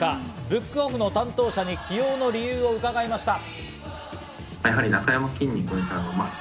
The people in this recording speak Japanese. ブックオフの担当者に起用の理由を伺いました。